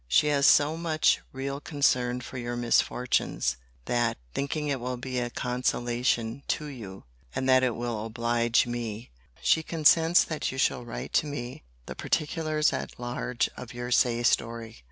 She has so much real concern for your misfortunes, that, thinking it will be a consolation to you, and that it will oblige me, she consents that you shall write to me the particulars at large of your sad story.